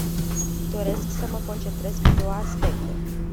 Doresc să mă concentrez pe două aspecte.